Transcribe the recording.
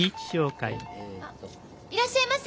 ・あいらっしゃいませ！